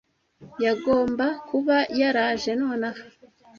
Yagomba kuba yaraje nonaha.